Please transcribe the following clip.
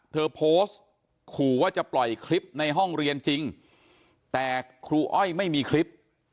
เธอโพสต์ขู่ว่าจะปล่อยคลิปในห้องเรียนจริงแต่ครูอ้อยไม่มีคลิป